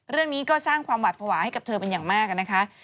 เรื่องนี้ก็สร้างความหวัดภาวะให้กับเธอเป็นอย่างมากนะคะ